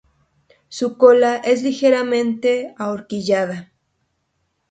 Su cola es ligeramente ahorquillada.